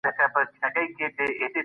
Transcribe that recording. د ټولنيزو اړيکو پالل مهم دي.